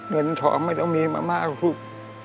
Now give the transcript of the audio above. เงินทองไม่ต้องมีมามากลูก